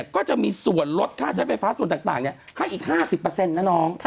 ก็จะมีส่วนลดค่าใช้ไฟฟ้าส่วนต่างให้อีก๕๐นะน้อง